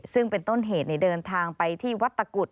ซึ่งเป็นต้นเหตุเดินทางไปที่วัดตะกุด